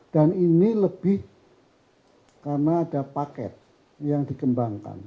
dan ini lebih karena ada paket yang dikembangkan